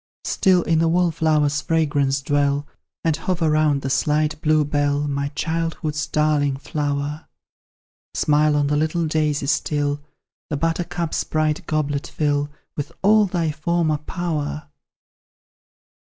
Still in the wallflower's fragrance dwell; And hover round the slight bluebell, My childhood's darling flower. Smile on the little daisy still, The buttercup's bright goblet fill With all thy former power.